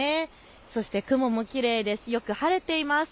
そして雲もきれいでよく晴れています。